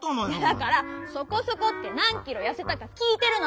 だから「そこそこ」ってなんキロやせたかきいてるの！